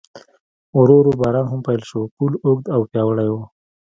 ورو ورو باران هم پیل شو، پل اوږد او پیاوړی و.